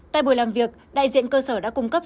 tại buổi làm việc đại diện cơ sở đã cung cấp